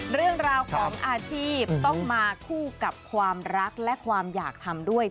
เรื่องราวของอาชีพต้องมาคู่กับความรักและความอยากทำด้วย